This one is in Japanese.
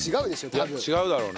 いや違うだろうね。